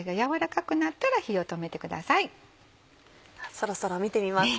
そろそろ見てみますか。